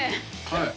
はい。